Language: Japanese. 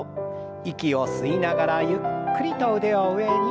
息を吸いながらゆっくりと腕を上に。